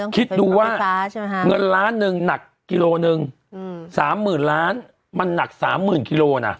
คิดดูว่าเงินล้านหนึ่งหนักกิโลหนึ่ง๓๐๐๐ล้านมันหนัก๓๐๐๐กิโลนะ